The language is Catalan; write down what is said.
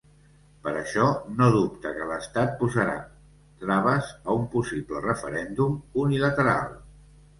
Per això, no dubta que l’estat posarà traves a un possible referèndum unilateral.